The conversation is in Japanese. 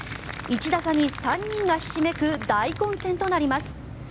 １打差に３人がひしめく大混戦となります。